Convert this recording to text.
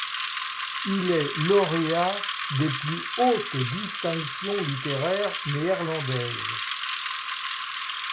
Il est lauréat des plus hautes distinctions littéraires néerlandaises.